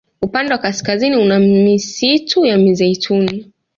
Upande wa kaskazini una misistu ya mizeituni